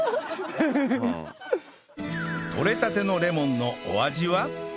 取れたてのレモンのお味は？